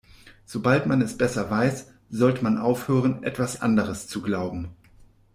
Sobald man es besser weiß, sollte man aufhören, etwas anderes zu glauben.